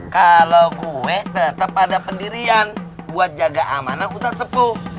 kalau gue tetap ada pendirian buat jaga amanah ustadz sepuh